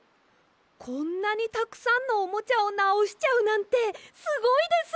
こんなにたくさんのおもちゃをなおしちゃうなんてすごいです！